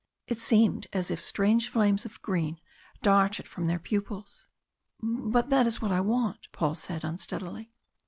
It seemed as if strange flames of green darted from their pupils. "But that is what I want!" Paul said, unsteadily.